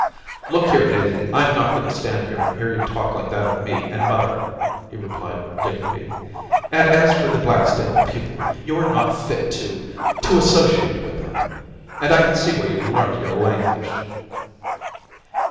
* Look here, Daisy ! I'm not going to stand here and hear you talk like that of me and mother,' he replied with dignity ;* and as for the Blackstable people, you're not fit Daisy 245 to — to associate with them. And I can see where you learnt your language.'